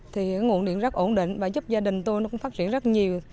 thì nguồn điện rất ổn định và giúp gia đình tôi nó cũng phát triển rất nhiều